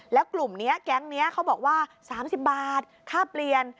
แล้วกลุ่มนี้แก๊งนี้เขาบอกว่า๓๐บาทค่าเปลี่ยน